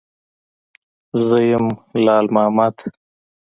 _زه يم، لال مامد.